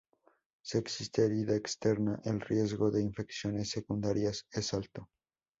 Se existe herida externa el riesgo de infecciones secundarias es alto.